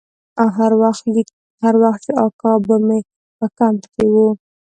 هر وخت چې اکا به مې په کمپ کښې و.